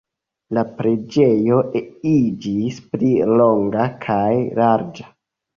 La preĝejo iĝis pli longa kaj larĝa.